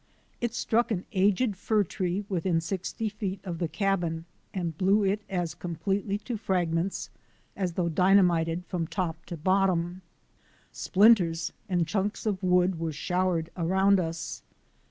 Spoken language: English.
It struck an aged fir tree within sixty feet of the cabin and blew it as completely to fragments as though dyna mited from top to bottom. Splinters and chunks of wood were showered around us.